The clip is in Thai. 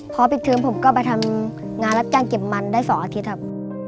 พอปิดเทอมผมก็ไปทำงานรับจ้างเก็บมันได้๒อาทิตย์ครับ